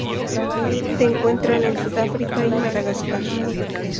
Se encuentran en Sudáfrica y Madagascar.